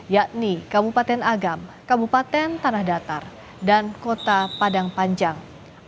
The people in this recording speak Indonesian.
yakni kabupaten agam kabupaten tanah datar dan kota padang panjang